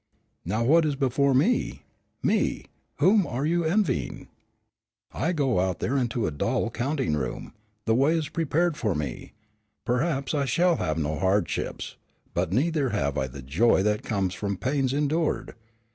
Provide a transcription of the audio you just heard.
Now what is before me, me, whom you are envying? I go out of here into a dull counting room. The way is prepared for me. Perhaps I shall have no hardships, but neither have I the joy that comes from pains endured.